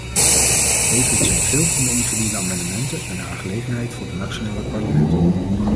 Tevens zijn veel van de ingediende amendementen een aangelegenheid voor de nationale parlementen.